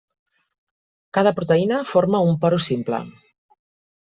Cada proteïna forma un porus simple.